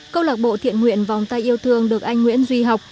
câu lạc bộ thiện nguyện vòng tay yêu thương được anh nguyễn duy học